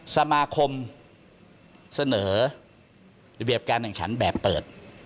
สมาคมเสนอระเบียบการแข่งขันแบบเปิด